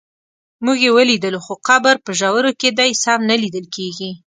موږ یې ولیدلو خو قبر په ژورو کې دی سم نه لیدل کېږي.